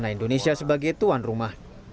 indonesia sebagai tuan rumah